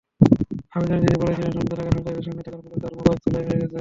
আবেদনে তিনি বলেছিলেন, সংশোধনাগারে সন্ত্রাসীদের সঙ্গে থাকার ফলে তাঁর মগজধোলাই হয়ে গেছে।